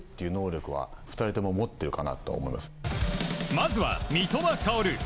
まずは三笘薫。